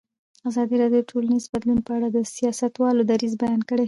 ازادي راډیو د ټولنیز بدلون په اړه د سیاستوالو دریځ بیان کړی.